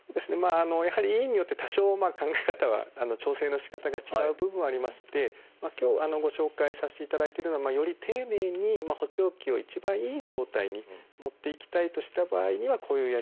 やはり医院によって多少考え方が調整のしかたが違う部分はありまして今日ご紹介させていただいてるのはより丁寧に補聴器を一番いい状態に持っていきたいとした場合にはこういうやり方が。